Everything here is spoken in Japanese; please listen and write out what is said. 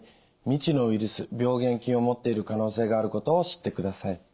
未知のウイルス病原菌を持っている可能性があることを知ってください。